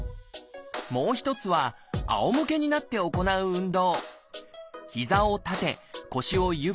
もう一つはあおむけになって行う運動。